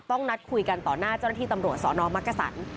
ต้องนัดคุยกันต่อหน้าเจ้าหน้าที่ตำรวจสนมักกษัน